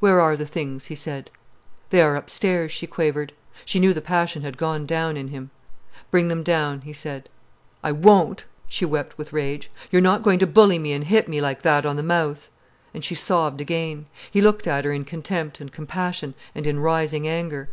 "Where are the things?" he said. "They are upstairs," she quavered. She knew the passion had gone down in him. "Bring them down," he said. "I won't," she wept, with rage. "You're not going to bully me and hit me like that on the mouth." And she sobbed again. He looked at her in contempt and compassion and in rising anger.